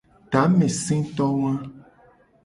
Tameseto wa.